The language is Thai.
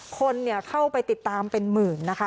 คนเข้าไปติดตามเป็นหมื่นนะคะ